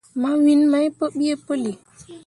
Mawin main pǝbeʼ pǝlli.